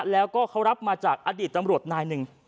แล้วก็เขารับมาจากอดีตตำรวจนายหนึ่ง